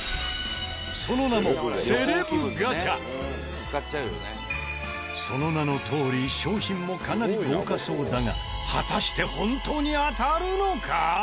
その名もその名のとおり商品もかなり豪華そうだが果たして本当に当たるのか？